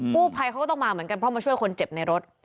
ผู้ภัยเขาก็ต้องมาเหมือนกันเพราะมาช่วยคนเจ็บในรถ